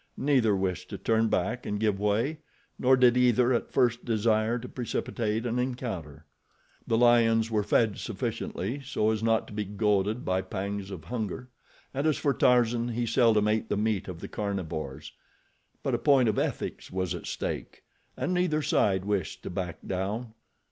Neither wished to turn back and give way, nor did either at first desire to precipitate an encounter. The lions were fed sufficiently so as not to be goaded by pangs of hunger and as for Tarzan he seldom ate the meat of the carnivores; but a point of ethics was at stake and neither side wished to back down.